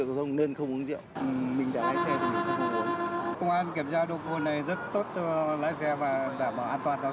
công an kiểm tra độc vụ này rất tốt cho lái xe và đảm bảo an toàn giao thông